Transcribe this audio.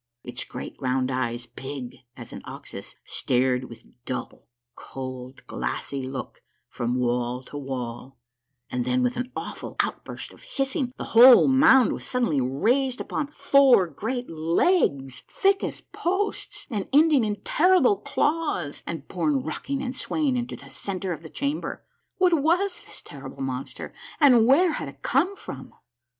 Its great round eyes, big as an ox's, stared with a dull, cold, glassy look from wall to wall, and then, with an awful outburst of hissing, the whole mound was suddenly raised upon four great legs, thick as posts, and ending in terrible claws, and borne rocking and swaying into the centre of the chamber. What was this terrible monster, and where had it come from